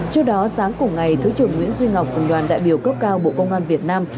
trước đó sáng cùng ngày thứ trưởng nguyễn duy ngọc cùng đoàn đại biểu cấp cao bộ công an việt nam